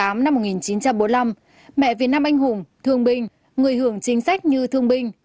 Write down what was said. mẹ việt nam anh hùng thương bình người hưởng chính sách như thương bình